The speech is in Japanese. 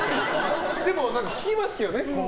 でも、聞きますけどね。